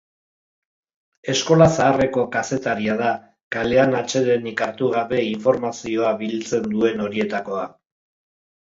Eskola zaharreko kazetaria da, kalean atsedenik hartu gabe informazioa biltzen duen horietakoa.